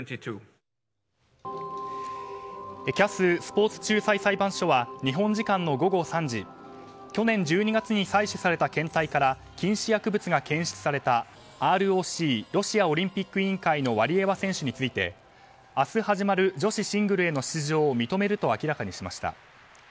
ＣＡＳ・スポーツ仲裁裁判所は日本時間の午後３時去年１２月に採取された検体から禁止薬物が検出されたＲＯＣ・ロシアオリンピック委員会のワリエワ選手について明日始まる女子シングルへの出場を認めると明らかにしました。